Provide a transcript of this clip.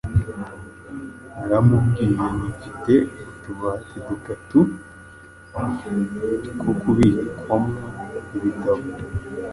Naramubwiye nti mfite utubati dutatu two kubikwamwo ibitabo,